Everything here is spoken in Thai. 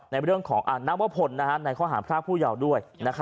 ในเรื่องของนักวเวิร์รในคณะหารภาคผู้ยาวด้วย